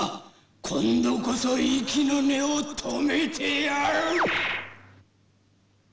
今度こそ息の根を止めてやる！